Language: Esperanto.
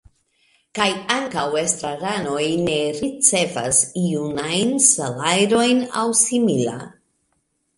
Kaj ankaŭ estraranoj ne ricevas iun ajn salajron aŭ simila.